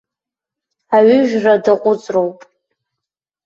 Аҩыжәра даҟәыҵроуп.